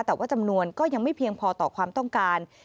แต่ว่าจำนวนก็ยังไม่เพียงพอต่อความต้องการ